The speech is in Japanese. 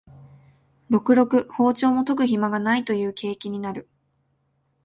ろくろく庖丁も研ぐひまがないという景気になる